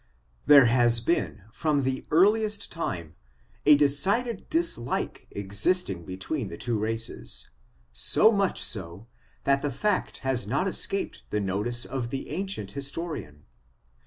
There has been, from the earliest time, a decided dislike existing between the two races, so much so, that the fact has not escaped the notice of the ancient historian.